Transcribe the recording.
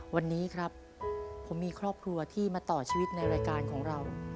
วันนี้ครับผมมีครอบครัวที่มาต่อชีวิตในรายการของเรา